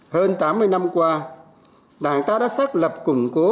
hơn tám mươi năm qua đảng ta đã xác lập củng cố